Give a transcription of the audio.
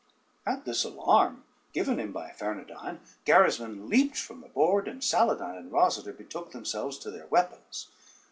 ] At this alarm, given him by Fernandyne, Gerismond leaped from the board, and Saladyne and Rosader betook themselves to their weapons.